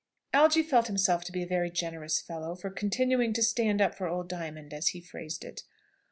Algy felt himself to be a very generous fellow for continuing to "stand up for old Diamond," as he phrased it.